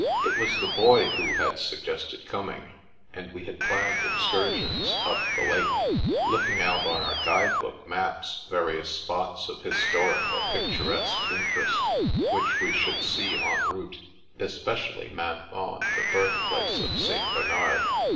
It was the Boy who had suggested coming, and we had planned excursions up the lake, looking out on our guide book maps various spots of historic or pic turesque interest which we should see en route, espe cially Menthon, the birthplace of St. Bernard.